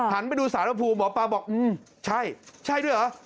หันไปดูศาลพระภูมิหมอปลาบอกใช่ใช่ด้วยเหรอ